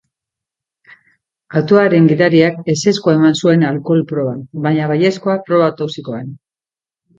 Autoaren gidariak ezezkoa eman zuen alkohol-proban, baina baiezkoa proba-toxikoan.